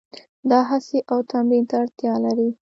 دا هڅې او تمرین ته اړتیا لري.